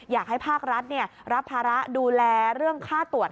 อยากให้ภาครัฐรับภาระดูแลเรื่องค่าตรวจ